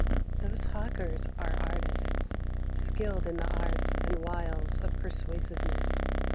Those hawkers are artists, skilled in the arts and wiles of persuasiveness.